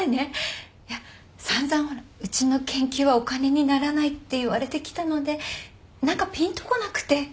いや散々ほらうちの研究はお金にならないって言われてきたので何かぴんとこなくて。